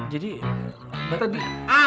jadi mbak tadi